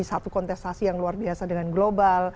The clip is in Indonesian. satu kontestasi yang luar biasa dengan global